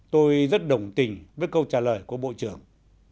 tôi rất đồng tình với câu trả lời của bộ trưởng